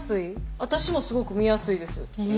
私もすごく見やすいです。